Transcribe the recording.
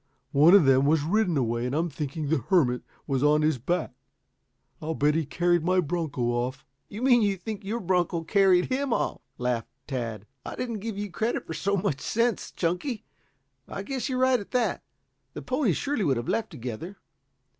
One of them was ridden away and I'm thinking the hermit was on his back. I'll bet he carried my broncho off." "You mean you think your broncho carried him off?" laughed Tad. "I didn't give you credit for so much sense, Chunky. I guess you are right at that. The ponies surely would have left together.